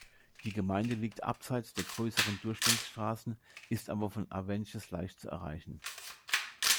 Die Gemeinde liegt abseits der grösseren Durchgangsstrassen, ist aber von Avenches leicht zu erreichen.